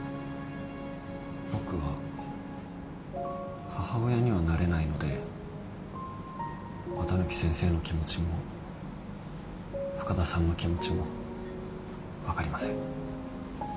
僕は母親にはなれないので綿貫先生の気持ちも深田さんの気持ちも分かりません。